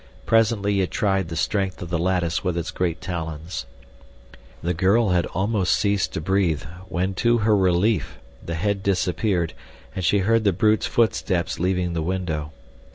Presently it tried the strength of the lattice with its great talons. The girl had almost ceased to breathe, when, to her relief, the head disappeared and she heard the brute's footsteps leaving the window.